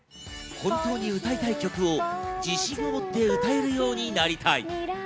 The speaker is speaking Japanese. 本当に歌いたい曲を自信をもって歌えるようになりたい。